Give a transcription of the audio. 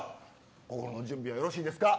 心の準備はよろしいですか。